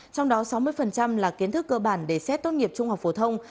trong đó sáu mươi là kiến thức cơ bản để xét tốt nghiệp trung học phổ thông